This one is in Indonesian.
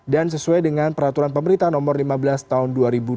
dan sesuai dengan peraturan pemerintah nomor lima belas tahun dua ribu dua puluh tiga